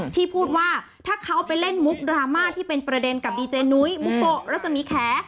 ที่พูดว่าถ้าเขาไปเล่นมุกดราม่าที่เป็นประเด็นกับดีเจนุ้ยมุโกะรัศมีแข